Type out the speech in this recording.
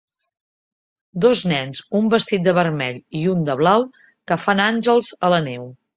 Dos nens un vestit de vermell i un de blau que fan àngels a la neu